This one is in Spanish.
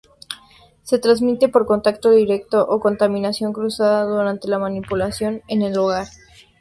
Se transmite por contacto directo o contaminación cruzada durante la manipulación, en el hogar.